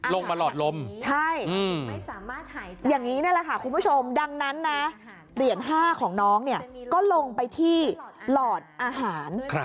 หลอดลมใช่อย่างนี้นี่แหละค่ะคุณผู้ชมดังนั้นนะเหรียญ๕ของน้องเนี่ยก็ลงไปที่หลอดอาหาร